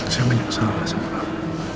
saya banyak salah salah